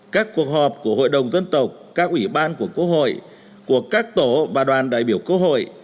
các cuộc họp của hội đồng dân tộc các ủy ban của quốc hội của các tổ và đoàn đại biểu quốc hội